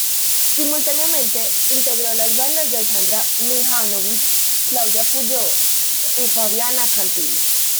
Simultáneamente integró las bandas de Sandra Mihanovich, Claudia Puyó y Fabiana Cantilo.